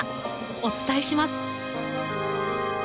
お伝えします！